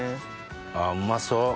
あうまそう。